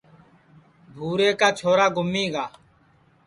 بھو رے کا چھورا گُمیگا ہے